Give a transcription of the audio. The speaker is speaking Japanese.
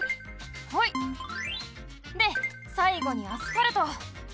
ホイ！でさいごにアスファルト。